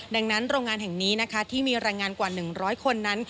ดังนั้นโรงงานแห่งนี้นะคะที่มีแรงงานกว่า๑๐๐คนนั้น